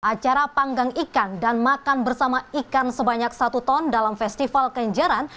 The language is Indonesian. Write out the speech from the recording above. acara panggang ikan dan makan bersama ikan sebanyak satu ton dalam festival kenjeran